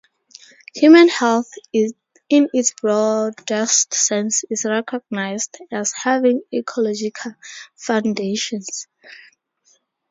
Human health, in its broadest sense, is recognized as having ecological foundations.